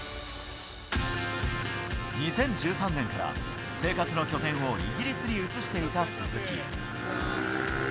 ２０１３年から生活の拠点をイギリスに移していた鈴木。